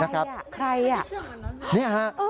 ใครอ่ะใครอ่ะ